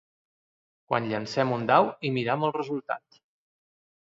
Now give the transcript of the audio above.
Quan llancem un dau i miram el resultat.